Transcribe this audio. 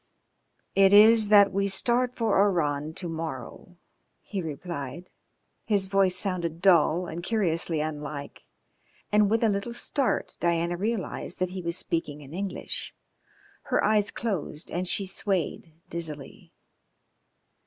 "It is that we start for Oran to morrow," he replied. His voice sounded dull and curiously unlike, and with a little start Diana realised that he was speaking in English. Her eyes closed and she swayed dizzily.